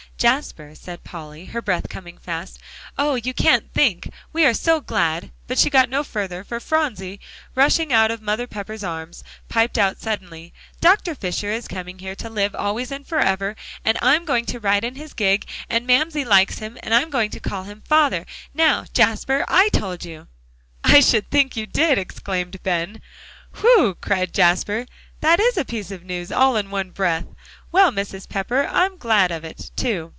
"Jasper," said Polly, her breath coming fast, "oh! you can't think; we are so glad" But she got no further, for Phronsie, rushing out of Mother Pepper's arms, piped out suddenly: "Dr. Fisher is coming here to live always and forever, and I'm going to ride in his gig, and Mamsie likes him, and I'm going to call him father; now, Jasper, I told you!" "I should think you did," exclaimed Ben. "Whew!" cried Jasper, "that is a piece of news all in one breath. Well, Mrs. Pepper, I'm glad of it, too.